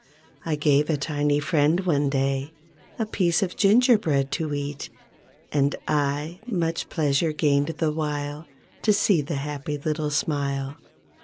I gave a tiny friend, one day, A piece of gingerbread to eat, And 1, much pleasure gained the while To see the happy little smile.